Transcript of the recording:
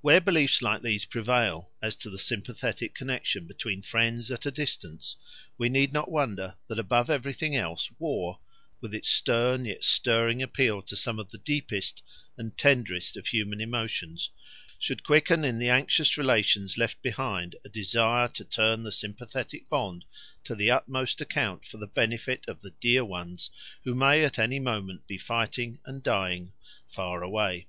Where beliefs like these prevail as to the sympathetic connexion between friends at a distance, we need not wonder that above everything else war, with its stern yet stirring appeal to some of the deepest and tenderest of human emotions, should quicken in the anxious relations left behind a desire to turn the sympathetic bond to the utmost account for the benefit of the dear ones who may at any moment be fighting and dying far away.